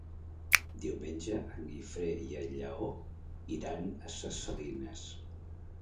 Diumenge en Guifré i en Lleó iran a Ses Salines.